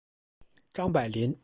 张百麟。